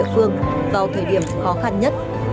người dân vương vào thời điểm khó khăn nhất